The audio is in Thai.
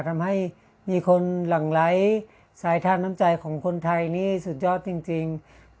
ทำให้มีคนหลั่งไหลสายทานน้ำใจของคนไทยนี่สุดยอดจริง